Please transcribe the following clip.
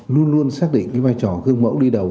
luôn luôn xác định cái vai trò gương mẫu đi đầu